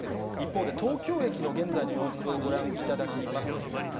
一方で、東京駅の現在の様子をご覧いただきます。